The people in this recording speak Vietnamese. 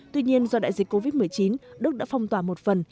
tuy nhiên do đại dịch covid một mươi chín đức đã phong tỏa một phần